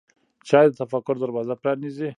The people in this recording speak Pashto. چای د تفکر دروازه پرانیزي.